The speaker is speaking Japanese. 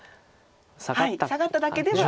サガっただけでは。